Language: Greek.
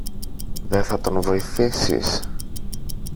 Δε θα τον βοηθήσεις;